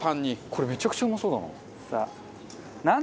これめちゃくちゃうまそうだな。